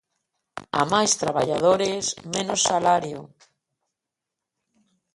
A máis traballadores, menos salario.